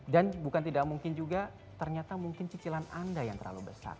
dan bukan tidak mungkin juga ternyata mungkin cicilan anda yang terlalu besar